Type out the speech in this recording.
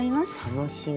楽しみ。